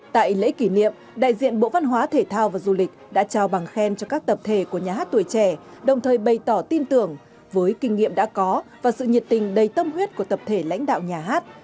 tại lễ kỷ niệm đại diện bộ văn hóa thể thao và du lịch đã trao bằng khen cho các tập thể của nhà hát tuổi trẻ đồng thời bày tỏ tin tưởng với kinh nghiệm đã có và sự nhiệt tình đầy tâm huyết của tập thể lãnh đạo nhà hát